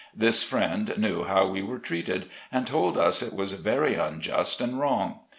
This friend knew how we were treated, and told us it was very unjust and wrong.